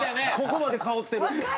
ここまで香ってる。